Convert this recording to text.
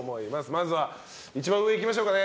まずは一番上いきましょうか。